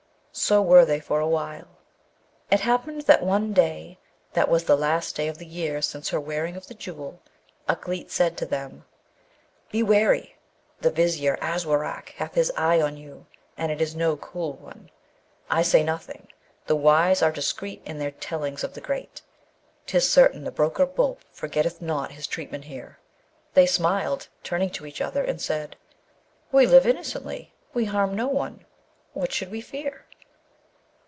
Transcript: So were they for awhile. It happened that one day, that was the last day of the year since her wearing of the Jewel, Ukleet said to them, 'Be wary! the Vizier Aswarak hath his eye on you, and it is no cool one. I say nothing: the wise are discreet in their tellings of the great. 'Tis certain the broker Boolp forgetteth not his treatment here.' They smiled, turning to each other, and said, 'We live innocently, we harm no one, what should we fear?'